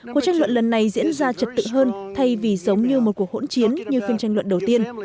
cuộc tranh luận lần này diễn ra trật tự hơn thay vì giống như một cuộc hỗn chiến như phiên tranh luận đầu tiên